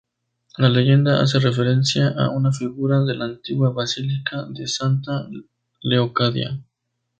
La leyenda hace referencia a una figura de la antigua basílica de Santa Leocadia.